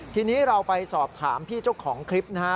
ทีนี้เราไปสอบถามพี่เจ้าของคลิปนะฮะ